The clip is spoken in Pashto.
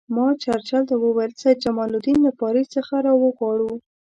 ما چرچل ته وویل سید جمال الدین له پاریس څخه را وغواړو.